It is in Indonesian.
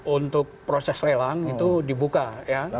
untuk proses lelang itu dibuka ya